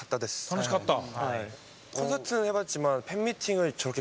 楽しかった。